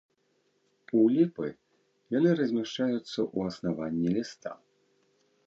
У ліпы яны размяшчаюцца ў аснаванні ліста.